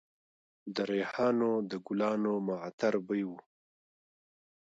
د ریحانو د ګلانو معطر بوی و